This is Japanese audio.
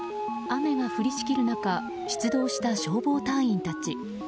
雨が降りしきる中、出動した消防隊員たち。